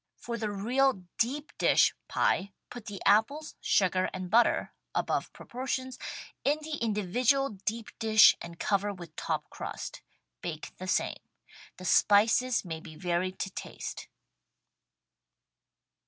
For the real deep dish pie put the apples, sugar and butter (above proportions) in the individual deep dish and cover with top crustt., Bake the same. The spices may be varied to taste.